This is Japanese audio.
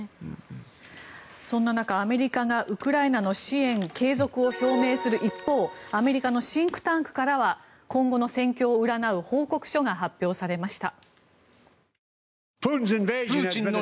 そんな中、アメリカがウクライナの支援継続を表明する一方アメリカのシンクタンクからは今後の戦況を占う報告書が発表されました。